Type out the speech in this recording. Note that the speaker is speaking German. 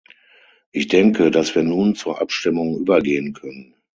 Ich denke, dass wir nun zur Abstimmung übergehen können.